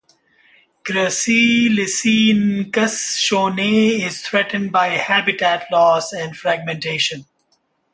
"Graciliscincus shonae" is threatened by habitat loss and fragmentation.